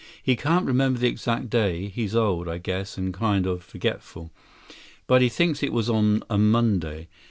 He can't remember the exact day. He's old, I guess, and kind of forgetful. But he thinks it was on a Monday.